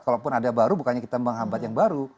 kalaupun ada baru bukannya kita menghambat yang baru